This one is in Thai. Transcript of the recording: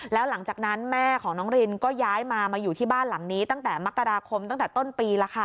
แล้วหลังจากนั้นแม่ของน้องรินก็ย้ายมามาอยู่ที่บ้านหลังนี้ตั้งแต่มกราคมตั้งแต่ต้นปีแล้วค่ะ